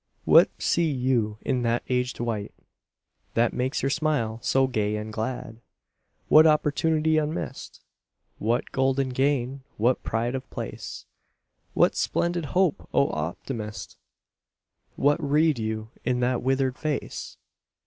What see you in that aged wight That makes your smile so gay and glad? What opportunity unmissed? What golden gain, what pride of place? What splendid hope? O Optimist! What read you in that withered face?